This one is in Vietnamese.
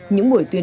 những buổi tuyển